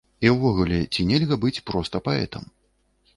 І ўвогуле, ці нельга быць проста паэтам?